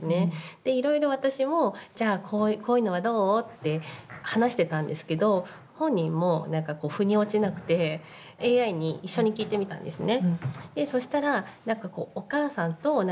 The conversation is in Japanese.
でいろいろ私も「じゃあこういうのはどう？」って話してたんですけど本人も何かこうふに落ちなくてＡＩに一緒に聞いてみたんですね。